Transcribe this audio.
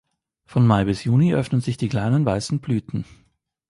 Von Mai bis Juni öffnen sich die kleinen weißen Blüten.